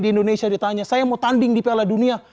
di indonesia ditanya saya mau tanding di piala dunia